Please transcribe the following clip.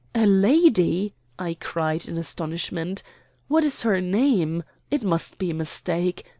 "A lady?" I cried in astonishment. "What is her name? It must be a mistake.